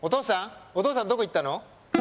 お父さんどこ行ったの？